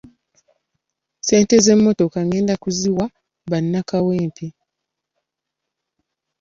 Ssente z’emmotoka ngenda kuziwa bannakawempe.